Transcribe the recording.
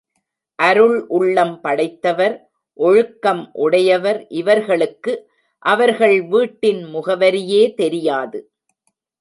அருள் உள்ளம் படைத்தவர், ஒழுக்கம் உடையவர் இவர்களுக்கு அவர்கள் வீட்டின் முகவரியே தெரியாது.